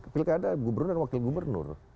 pilih keadaan gubernur dan wakil gubernur